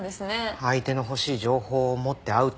相手の欲しい情報を持って会うって事。